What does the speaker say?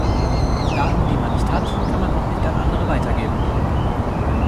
Daten, die man nicht hat, kann man auch nicht an andere weitergeben.